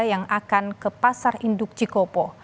yang akan ke pasar induk cikopo